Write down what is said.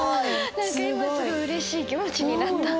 何か今すごいうれしい気持ちになった。